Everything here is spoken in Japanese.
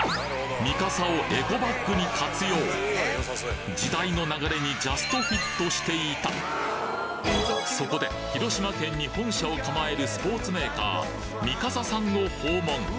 ミカサをエコバッグに活用時代の流れにジャストフィットしていたそこで広島県に本社を構えるスポーツメーカーミカサさんを訪問